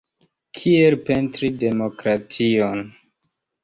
Kiel pentri demokration?